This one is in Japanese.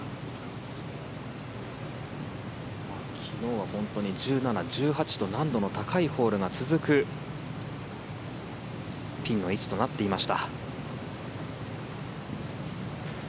昨日は１７、１８と難度の高いホールが続くピンの位置となっていました。